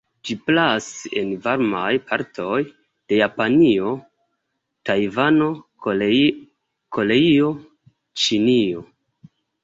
Ĝi praas en varmaj partoj de Japanio, Tajvano, Koreio, Ĉinio.